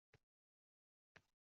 Qomatini xiyol rostladi.